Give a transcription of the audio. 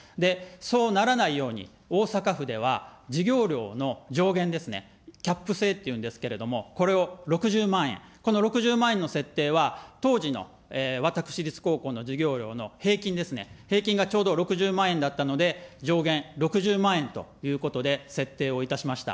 そうならないように、大阪府では、授業料の上限ですね、上限ですね、キャップ制というんですけれども、６０万円、この６０万円の設定は、当時の私立高校の授業料の平均ですね、平均がちょうど６０万円だったので、上限６０万円ということで設定をいたしました。